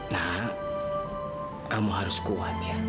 nak kamu harus kuat ya